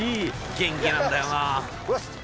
元気なんだよなぁ。